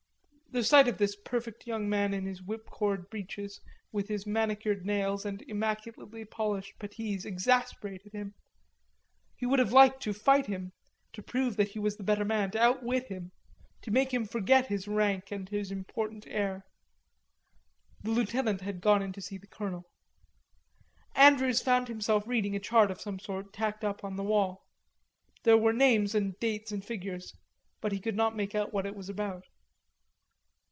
The sight of this perfect young man in his whipcord breeches, with his manicured nails and immaculately polished puttees exasperated him. He would have liked to fight him, to prove that he was the better man, to outwit him, to make him forget his rank and his important air.... The lieutenant had gone in to see the colonel. Andrews found himself reading a chart of some sort tacked up on the wall. There were names and dates and figures, but he could not make out what it was about.